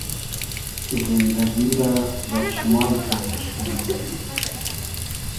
زیندئگی رۂ دۂ چیمای تو اوش مونوم